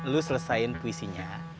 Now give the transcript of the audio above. lo selesain puisinya